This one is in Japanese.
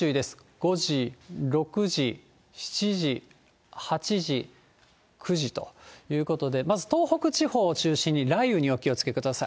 ５時、６時、７時、８時、９時ということで、まず東北地方を中心に雷雨にお気をつけください。